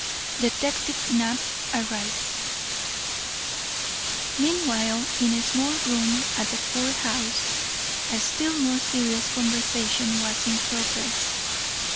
X DETECTIVE KNAPP ARRIVES Meanwhile, in a small room at the court house, a still more serious conversation was in progress.